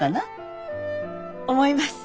思います。